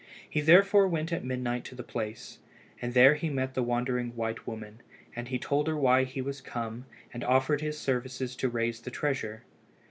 He therefore went at midnight to the place, and there he met with the wandering white woman, and he told her why he was come, and offered his services to raise the treasure.